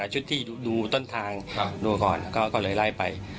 แต่จุดที่ดูต้นทางครับดูก่อนก็ก็เลยไล่ไป